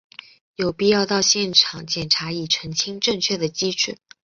有必要到现场检查以澄清正确的机制。